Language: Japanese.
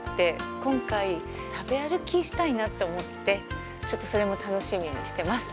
今回食べ歩きしたいなと思ってちょっと、それも楽しみにしてます。